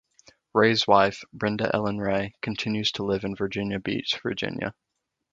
Ray's wife, Brenda Ellen Ray, continues to live in Virginia Beach, Virginia.